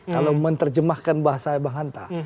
kalau menerjemahkan bahasa bahanta